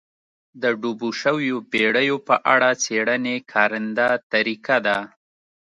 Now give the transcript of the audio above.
د ډوبو شویو بېړیو په اړه څېړنې کارنده طریقه ده